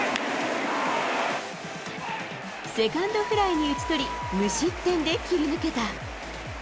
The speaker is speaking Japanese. セカンドフライに打ち取り、無失点で切り抜けた。